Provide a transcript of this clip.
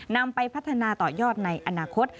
นำไปพัฒนาต่อยอดในอนาคต